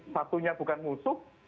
satunya bukan musuh